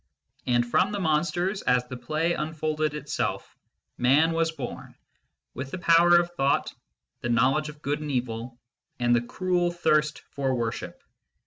And from the monsters, as the play unfolded itself, Man was born, with the power of thought, the knowledge of good and evil, and the cruel thirst for worship.